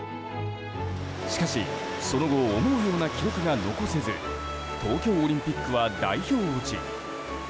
しかし、その後思うような記録が残せず東京オリンピックは代表落ち。